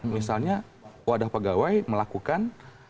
misalnya wadah pegawai melakukan